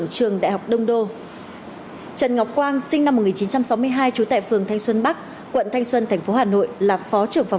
các bị can gồm